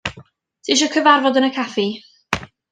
Tisio cyfarfod yn y caffi?